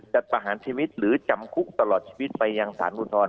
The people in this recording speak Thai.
จัดประหารชีวิตหรือจำคุกตลอดชีวิตไปอย่างศาลอุทธรณ์